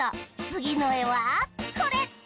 つぎのえはこれ！